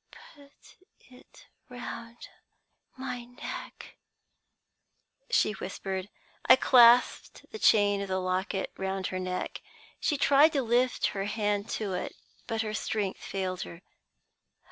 "'Put it round my neck,' she whispered. "I clasped the chain of the locket round her neck. She tried to lift her hand to it, but her strength failed her.